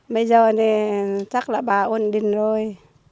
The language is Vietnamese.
bây giờ thì chắc là bà uống điện rồi